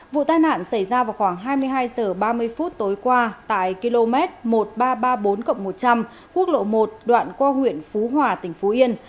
vụ tai nạn xảy ra vào khoảng hai mươi hai h ba mươi phút tối qua tại km một nghìn ba trăm ba mươi bốn một trăm linh quốc lộ một đoạn qua huyện phú hòa tỉnh phú yên